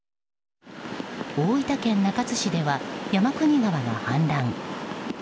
大分県中津市では山国川が氾濫。